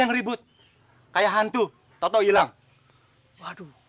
antara ouya desa yang selalu palembang